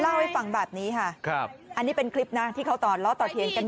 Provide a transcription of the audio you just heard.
เล่าให้ฟังแบบนี้ค่ะครับอันนี้เป็นคลิปนะที่เขาต่อล้อต่อเถียงกัน